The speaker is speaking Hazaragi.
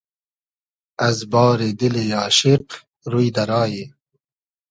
از باری دیلی آشیق رو دۂ رایی